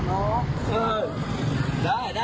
เออได้พี่ได้